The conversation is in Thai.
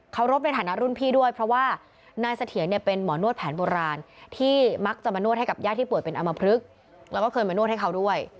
รบในฐานะรุ่นพี่ด้วยเพราะว่านายเสถียรเนี่ยเป็นหมอนวดแผนโบราณที่มักจะมานวดให้กับญาติที่ป่วยเป็นอมพลึกแล้วก็เคยมานวดให้เขาด้วย